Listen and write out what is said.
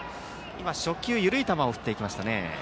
今、初球の緩い球を振っていきましたね。